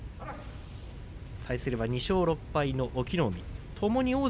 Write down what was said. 対するは２勝６敗の隠岐の海です。